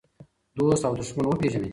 دوست او دښمن وپېژنئ.